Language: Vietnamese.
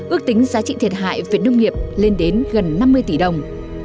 ước tính giá trị thiệt hại về nông nghiệp lên đến gần năm mươi tỷ đồng